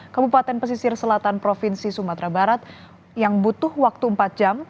kabupaten pesisir selatan provinsi sumatera barat yang butuh waktu empat jam